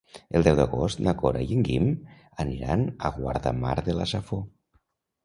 El deu d'agost na Cora i en Guim aniran a Guardamar de la Safor.